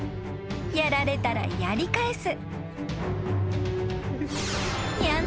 ［やられたらやり返す］